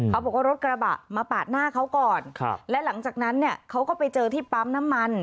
เขาบอกว่ารถกระบะมาปาดหน้าเขาก่อนครับและหลังจากนั้นเนี่ยเขาก็ไปเจอที่ปั๊มน้ำมัน